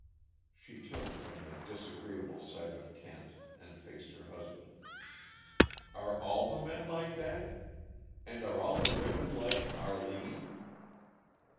She turned from the disagreeable sight of Kent and faced her husband. "Are all the men like that? And are all the women like Arline?"